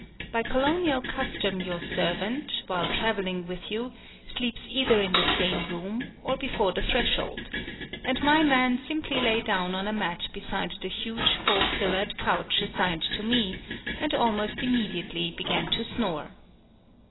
By colonial custom your servant, while travelling with you, sleeps either in the same room, or before the threshold; and my man simply lay down on a mat beside the huge four pillared couch assigned to me, and almost immediately began to snore.